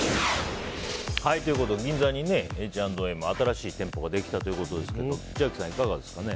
銀座にＨ＆Ｍの新しい店舗ができたということですけど千秋さん、いかがですかね。